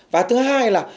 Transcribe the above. và thứ hai là